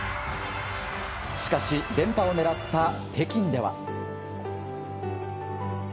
しかし、連覇を狙った北京では。